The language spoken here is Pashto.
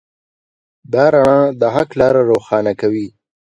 دا رڼا د حق لاره روښانه کوي.